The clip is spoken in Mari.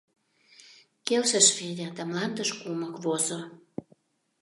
— келшыш Федя да мландыш кумык возо.